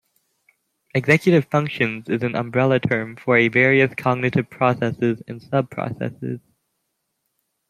Executive functions is an umbrella term for a various cognitive processes and sub-processes.